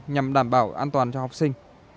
nhằm đảm bảo an toàn cho học sinh